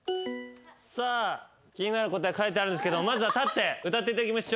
さあ気になる答え書いてあるんですけどまずは立って歌っていただきましょう。